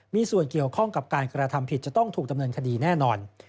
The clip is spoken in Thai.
มีส่วนเกี่ยวข้องกับการกระทำผิดจะต้องถูกดำเนินคดีแน่นอน